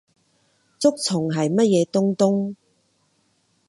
竹蟲係乜嘢東東？